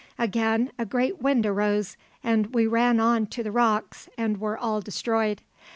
"Again a great wind arose, and we ran on to the rocks and were all destroyed.